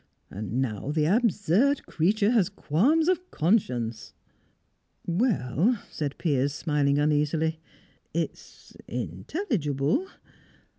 And now the absurd creature has qualms of conscience!" "Well," said Piers, smiling uneasily, "it's intelligible."